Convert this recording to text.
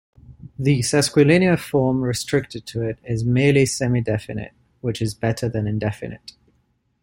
The sesquilinear form restricted to it is merely semidefinite, which is better than indefinite.